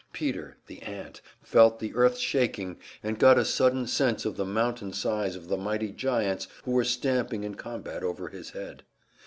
Peter, the ant, felt the earth shaking, and got a sudden sense of the mountain size of the mighty giants who were stamping in combat over his head.